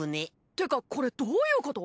てかこれどういうこと？